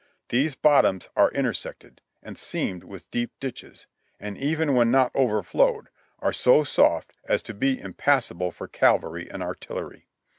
These bottoms are intersected and seamed with deep ditches, and even when not overflowed, are so soft as to be impassable for cavalry and artillery.